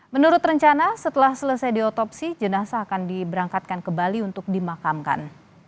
menurut rencana setelah selesai diotopsi jenazah akan diberangkatkan ke bali untuk dimakamkan